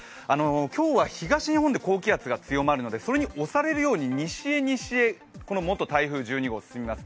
今日は東日本で高気圧が強まるのでそれに押されるように西へ、西へと元台風１２号は進みます。